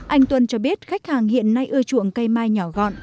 anh tuân cho biết khách hàng hiện nay ưa chuộng cây mai nhỏ gọn